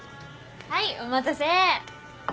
はいお待たせ！